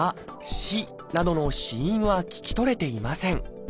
「し」などの子音は聞き取れていません。